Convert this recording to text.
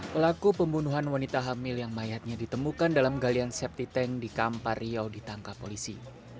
pelaku pembunuhan wanita hamil yang mayatnya ditemukan dalam galian septi tank di kampar riau ditangkap polisi